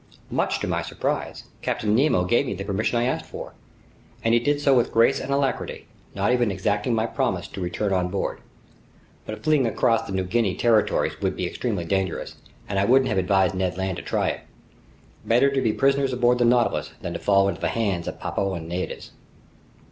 Much to my surprise, Captain Nemo gave me the permission I asked for, and he did so with grace and alacrity, not even exacting my promise to return on board. But fleeing across the New Guinea territories would be extremely dangerous, and I wouldn't have advised Ned Land to try it. Better to be prisoners aboard the Nautilus than to fall into the hands of Papuan natives.